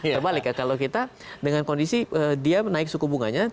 terbalik ya kalau kita dengan kondisi dia menaik suku bunganya